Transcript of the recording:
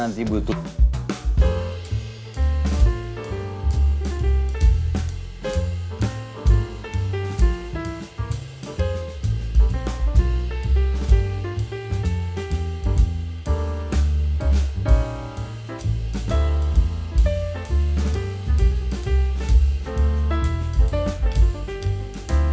ya ada tiga orang